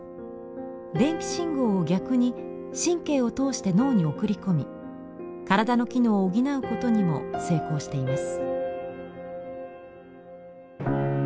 電気信号を逆に神経を通して脳に送り込み体の機能を補うことにも成功しています。